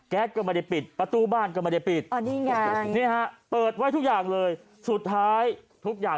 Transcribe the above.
เขาก็พูดกันมาสายอีสานนะฮะ